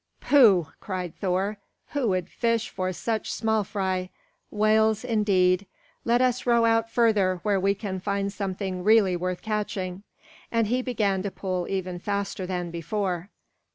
"Pooh!" cried Thor. "Who would fish for such small fry! Whales, indeed; let us row out further, where we can find something really worth catching," and he began to pull even faster than before.